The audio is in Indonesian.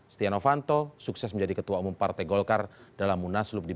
setianowanto sukses menjadi ketua umum partai golkar dalam munas lukuh